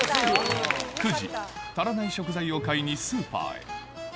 ９時、足らない食材を買いにスーパーへ。